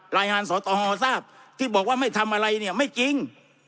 รายงานสตฮทราบที่บอกว่าไม่ทำอะไรเนี่ยไม่จริง